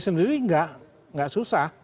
sendiri gak susah